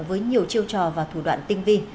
với nhiều chiêu trò và thủ đoạn tinh vi